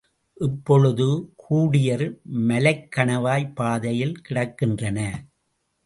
இப்பொழுது, கூர்டியர் மலைக்கணவாய்ப் பாதையில் கிடக்கின்றன.